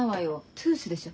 「トゥース」でしょ。